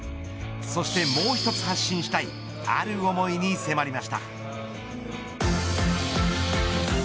そしてもう一つ発信したいある思いに迫りました。